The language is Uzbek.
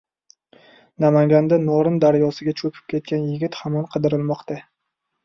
Namanganda Norin daryosiga cho‘kib ketgan yigit hamon qidirilmoqda